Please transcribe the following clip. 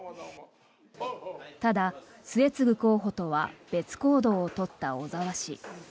ただ末次候補とは別行動を取った小沢氏。